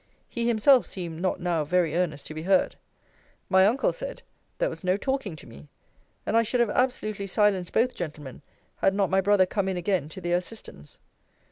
He himself seemed not now very earnest to be heard. My uncle said, There was no talking to me. And I should have absolutely silenced both gentlemen, had not my brother come in again to their assistance.